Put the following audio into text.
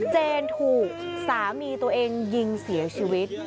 เจนถูกสามีตัวเองยิงเสียชีวิต